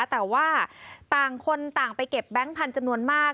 แต่ว่าต่างคนต่างไปเก็บแบงค์พันธุ์จำนวนมาก